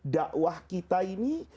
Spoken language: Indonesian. dakwah kita ini